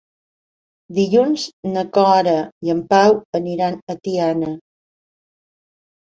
Dilluns na Cora i en Pau aniran a Tiana.